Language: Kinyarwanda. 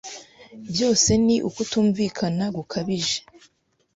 Byose ni ukutumvikana gukabije.